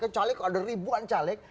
caleg ada ribuan caleg